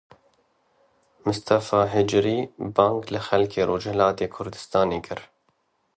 Mistefa Hicrî bang li xelkê Rojhilatê Kurdistanê kir.